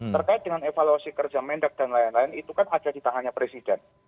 terkait dengan evaluasi kerja mendak dan lain lain itu kan ada di tangannya presiden